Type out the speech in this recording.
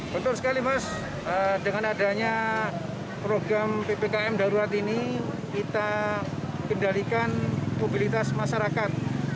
betul sekali mas dengan adanya program ppkm darurat ini kita kendalikan mobilitas masyarakat